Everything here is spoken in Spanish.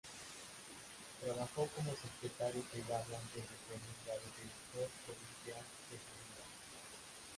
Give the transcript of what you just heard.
Trabajó como secretario privado antes de ser nombrado Director Provincial de Sanidad.